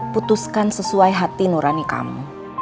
putuskan sesuai hati nurani kamu